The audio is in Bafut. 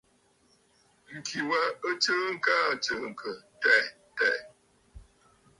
Ŋ̀kì wa ɨ t;sɨɨkə aa tsɨ̀ɨ̀ŋkə̀ tɛʼɛ̀ tɛ̀ʼɛ̀.